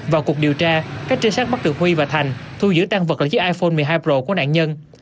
vào cuộc điều tra các trinh sát mất được huy và thành thu giữ tăng vật là chiếc iphone một mươi hai pro của nạn nhân